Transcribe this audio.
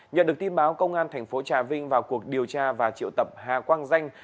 nhận được tin báo công an thành phố trà vinh vào cuộc điều tra và triệu tập hà quang danh